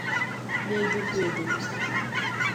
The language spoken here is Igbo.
na-edufu edufu